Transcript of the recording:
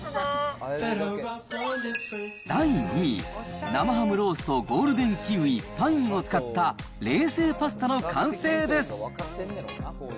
第２位、生ハムロースとゴールデンキウイ、パインを使った、冷製パスタの完成です。